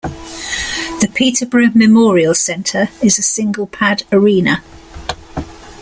The Peterborough Memorial Centre is a single-pad arena.